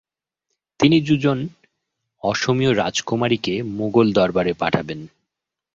তিনি দু’জন অসমীয় রাজকুমারীকে মোগল দরবারে পাঠাবেন।